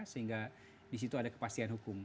sehingga di situ ada kepastian hukum